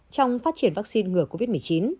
trong phát triển vaccine ngừa covid một mươi chín